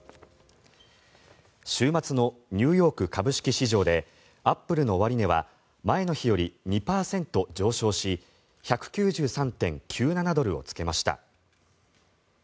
週末のニューヨーク株式市場でアップルの終値は前の日より２％上昇し１９３．９７ドルをつけました。